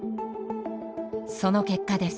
その結果です。